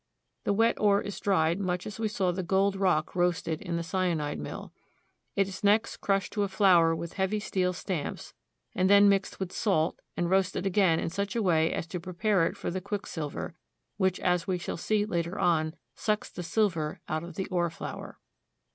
The wet ore is dried much as we saw the gold rock roasted in the cyanide mill. It is next crushed to a flour with heavy steel stamps, and then mixed with salt, and roasted again in such a way as to prepare it for the quicksilver, which, as we shall see later on, sucks the silver out of the ore flour.